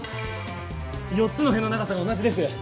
４つの辺の長さが同じです。